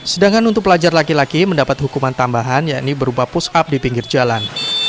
sedangkan untuk pelajar laki laki mendapat hukuman tambahan yakni berupa push up di pinggir jalan